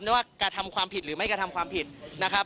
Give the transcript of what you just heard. ไม่ว่ากระทำความผิดหรือไม่กระทำความผิดนะครับ